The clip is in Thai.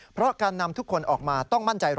เพราะการนำทุกคนออกมาต้องมั่นใจ